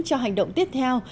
cho hành động tiếp theo